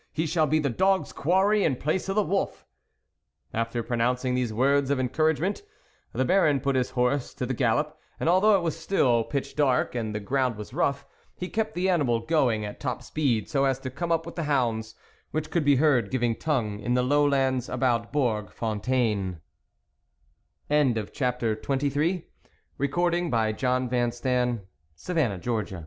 he shall be the dogs' quarry in place of the wolf !" After pronouncing these words of en couragement, the Baron put his horse to the gallop, and although it was still pitch dark and the ground was rough, he kept the animal going at top speed so as to come up with the hounds, which could be heard giving tongue in the low lands about Bourg Fontain